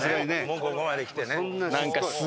もうここまで来てね。